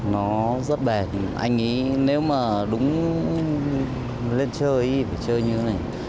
nó rất bè anh nghĩ nếu mà đúng lên chơi thì phải chơi như thế này